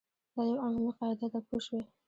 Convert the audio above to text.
دا یوه عمومي قاعده ده پوه شوې!.